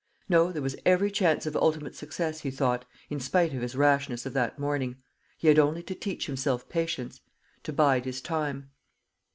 No, there was every chance of ultimate success, he thought, in spite of his rashness of that morning. He had only to teach himself patience to bide his time.